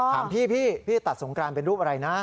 ถามพี่พี่ตัดสงกรานเป็นรูปอะไรนะ